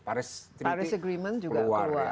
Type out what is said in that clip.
paris treaty keluar